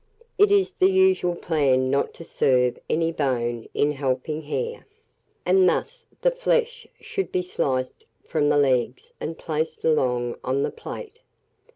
It is the usual plan not to serve any bone in helping hare; and thus the flesh should be sliced from the legs and placed alone on the plate.